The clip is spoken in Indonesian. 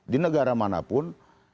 di negara manapun